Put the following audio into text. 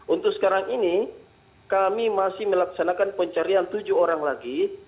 untuk sekarang ini kami masih melaksanakan pencarian tujuh orang lagi